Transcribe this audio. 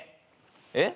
えっ？